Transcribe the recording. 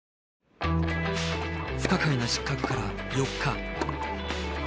不可解な失格から４日。